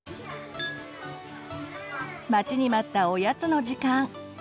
待ちに待ったおやつの時間。